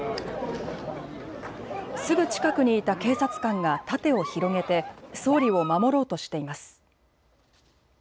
すぐ近くにいた警察官が盾を広げて総理を守ろうとしています。